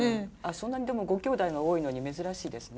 そんなにでもごきょうだいが多いのに珍しいですね。